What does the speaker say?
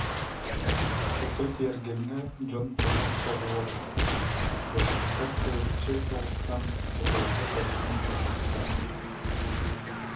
Тута тиэргэҥҥэ дьон бөҕө тоҕуоруспут, бөҕөстөр тэйиччи соҕустан утарыта көрсөн турбуттар